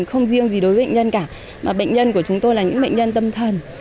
không riêng gì đối với bệnh nhân cả mà bệnh nhân của chúng tôi là những bệnh nhân tâm thần